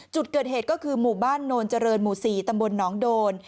จุดเกิดเหตุก็คือหมู่บ้านโนนเจริญหมู่๔ตำบลหนองโดน